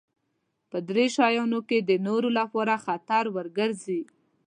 په دې درې شيانو کې د نورو لپاره خطر وګرځي.